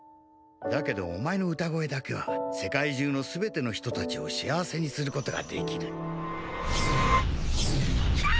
だけどお前の歌声だけは世界中の全ての人たちを幸せにすることができる。